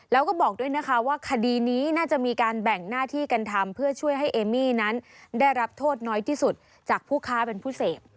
แล้วก็บอกด้วยนะคะว่าคดีนี้น่าจะมีการแบ่งหน้าที่กันทำเพื่อช่วยให้เอมี่นั้นได้รับโทษน้อยที่สุดจากผู้ค้าเป็นผู้เสพ